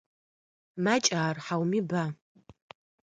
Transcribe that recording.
Макӏа ар, хьауми ба?